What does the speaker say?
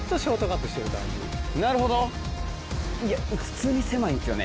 なるほど普通に狭いんすよね。